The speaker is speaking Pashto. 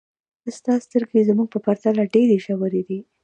ستا سترګې زموږ په پرتله ډېرې ژورې دي.